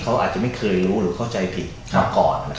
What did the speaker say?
เขาอาจจะไม่เคยรู้หรือเข้าใจผิดมาก่อน